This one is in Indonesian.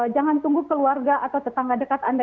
jangan tunggu keluarga atau tetangga dekat anda